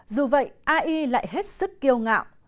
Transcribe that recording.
dù vậy ai lại hết sức kêu ngạo